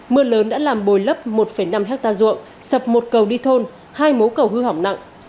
mưa lớn đã làm bồi lấp một năm hectare ruộng sập một cầu đi thôn hai mố cầu hư hỏng nặng